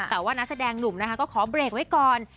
แต่ว่านักแสดงหนุ่มนะคะก็ขอเบรกไว้ก่อน